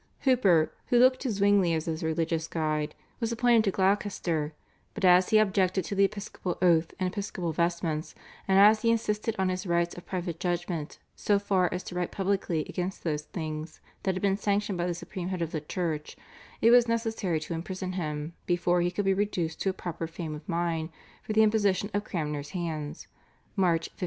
Hooper, who looked to Zwingli as his religious guide, was appointed to Gloucester; but as he objected to the episcopal oath, and episcopal vestments, and as he insisted on his rights of private judgment so far as to write publicly against those things that had been sanctioned by the supreme head of the Church, it was necessary to imprison him before he could be reduced to a proper frame of mind for the imposition of Cranmer's hands (March 1551).